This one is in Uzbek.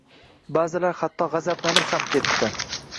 Baʼzilar hatto gʻazablanib ham ketdi